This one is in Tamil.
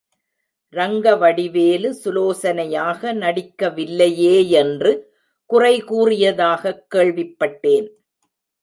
ரங்கவடிவேலு சுலோசனையாக நடிக்க வில்லையே யென்று குறை கூறியதாகக் கேள்விப்பட்டேன்.